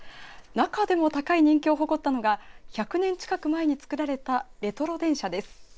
中でも高い人気を誇ったのが１００年近く前につくられたレトロ電車です。